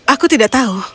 aku tidak tahu